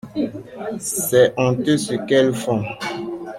C'est honteux ce qu'elles font.